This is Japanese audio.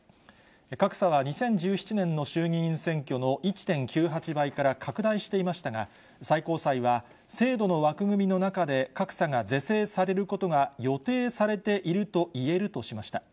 格差は２０１７年の衆議院選挙の１．９８倍から拡大していましたが、最高裁は、制度の枠組みの中で格差が是正されることが予定されているといえるとしました。